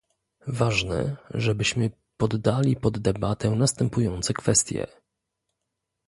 Ważne, żebyśmy poddali pod debatę następujące kwestie